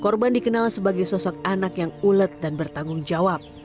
korban dikenal sebagai sosok anak yang ulet dan bertanggung jawab